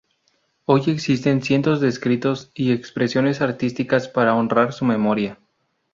Hoy existen cientos de escritos y expresiones artísticas para honrar su memoria.